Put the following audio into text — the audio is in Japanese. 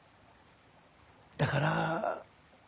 だから。